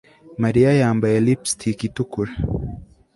Mariya yambaye lipstiki itukura